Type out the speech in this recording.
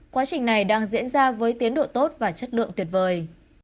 quá trình này đang diễn ra với tiến độ tốt và chất lượng tuyệt vời